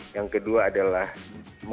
yang kedua adalah penyelamat